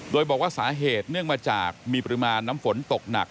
โดยบอกว่าสาเหตุเนื่องมาจากมีปริมาณน้ำฝนตกหนัก